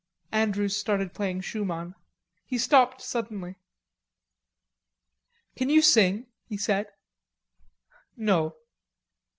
Andrews started playing Schumann. He stopped suddenly. "Can you sing?" he said. "No."